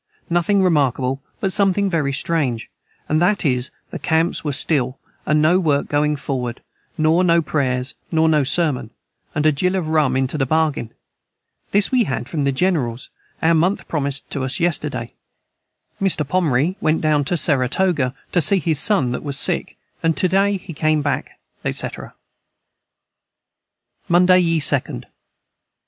Nothing remarkable but somthing very strange, & that is the Camps were so stil and no work going foward nor no prayers nor no sermon & a Jil of Rum into the Bargain this we had from the Jenerals our month promised to us yesterday Mr. Pomri went down to Seratoga to see his son that was sick and to day he come back &c. Monday ye 2nd.